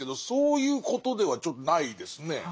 そういうことではちょっとないですね。